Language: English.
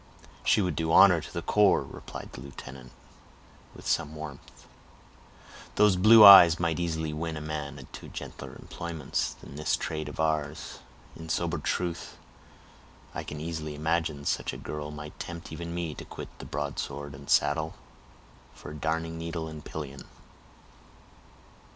"She would do honor to the corps," replied the lieutenant, with some warmth. "Those blue eyes might easily win a man to gentler employments than this trade of ours. In sober truth, I can easily imagine such a girl might tempt even me to quit the broadsword and saddle, for a darning needle and pillion."